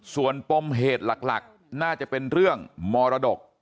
ส่วนปมเหตุหลักน่าจะเป็นเรื่องมรดก